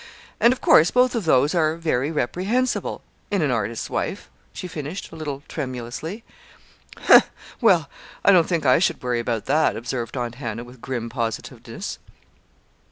And of course both of those are very reprehensible in an artist's wife," she finished, a little tremulously. "Humph! Well, I don't think I should worry about that," observed Aunt Hannah with grim positiveness.